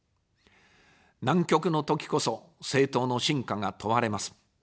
難局の時こそ、政党の真価が問われます。